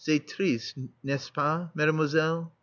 C'est triste, n'est ce pas, Mademoiselle?